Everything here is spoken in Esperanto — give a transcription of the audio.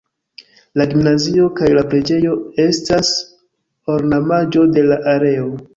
La gimnazio kaj la preĝejo estas ornamaĵo de la aleo.